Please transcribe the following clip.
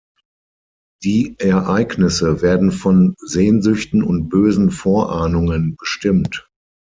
Die Ereignisse werden von Sehnsüchten und bösen Vorahnungen bestimmt.